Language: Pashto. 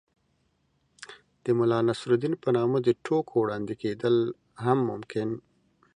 د ملا نصر الدين په نامه د ټوکو وړاندې کېدل هم ممکن